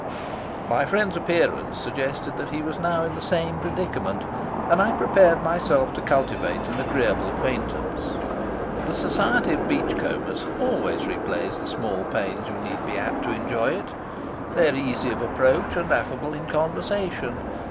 My friend's appearance suggested that he was now in the same predicament, and I prepared myself to cultivate an agreeable acquaintance. The society of beach combers always repays the small pains you need be at to enjoy it. They are easy of approach and affable in conversation.